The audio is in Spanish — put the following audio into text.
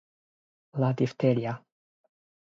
La difteria